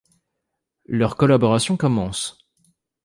Leur collaboration commence.